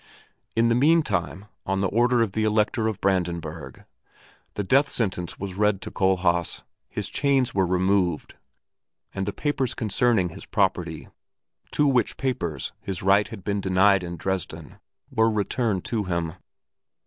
In the mean time, on the order of the Elector of Brandenburg, the death sentence was read to Kohlhaas, his chains were removed, and the papers concerning his property, to which papers his right had been denied in Dresden, were returned to him.